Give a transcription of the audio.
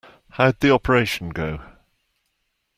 How'd the operation go?